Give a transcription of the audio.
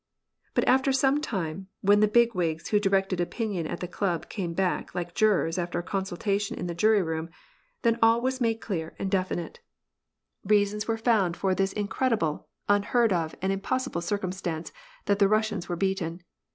But after some time, when the big wigs who directed opin ion at the club came back like jurors after a consultation in the jury room, then all was made clear and definite. Reasons L L 14 WAR AND PEACE, were founA for this incredible, unheard of, and impossible cir cumstance, that the Russians were beaten.